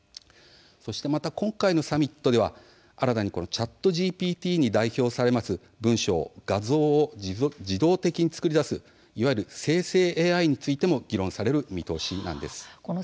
また今回のサミットでは新たにＣｈａｔＧＰＴに代表されます文章や画像を自動的に作り出すいわゆる生成ＡＩについても議論される見通しなんです。